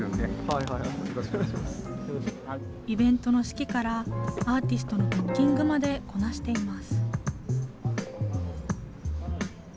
イベントの指揮から、アーティストのブッキングまでこなしています。